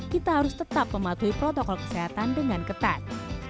kita harus tetap mematuhi protokol kesehatan dengan ketat